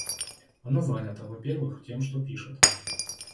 Она занята, во-первых, тем, что пишет.